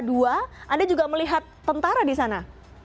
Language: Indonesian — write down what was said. anda juga melihat tentara di sana